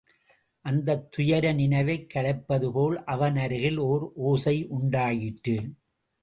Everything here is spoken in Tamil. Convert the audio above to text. அந்தத் துயர நினைவைக் கலைப்பது போல் அவனருகில் ஓர் ஒசை உண்டாயிற்று.